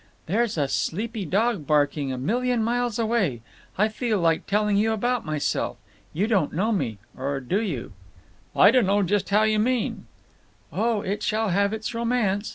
There's a sleepy dog barking, a million miles away…. I feel like telling you about myself. You don't know me. Or do you?" "I dunno just how you mean." "Oh, it shall have its romance!